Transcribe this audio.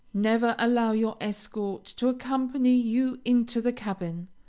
Never allow your escort to accompany you into the cabin.